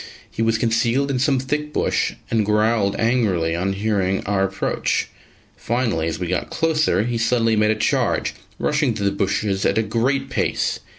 He was concealed in some thick bush and growled angrily on hearing our approach; finally, as we got closer, he suddenly made a charge, rushing through the bushes at a great pace.